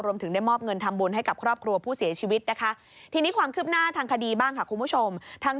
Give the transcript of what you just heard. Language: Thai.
รวมถึงได้มอบเงินทำบุญให้กับครอบครัวผู้เสียชีวิต